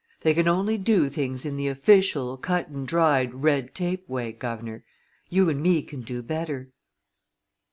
they can only do things in the official, cut and dried, red tape way, Guv'nor you and me can do better."